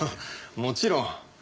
もちろん。